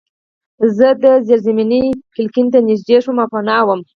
زه د زیرزمینۍ کړکۍ ته نږدې شوم او پناه وم